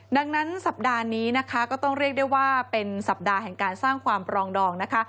ดังนั้นสัปดาห์นี้นะคะก็ต้องเรียกได้ว่าเป็นสัปดาห์แห่งการสร้างความปรองดองนะคะ